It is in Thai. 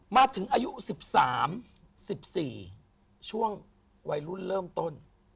มาถึงอายุ๑๓๑๔ช่วงวัยรุ่นเริ่มต้น